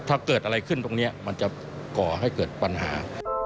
ถ้าเกิดอะไรขึ้นตรงนี้มันจะก่อให้เกิดปัญหา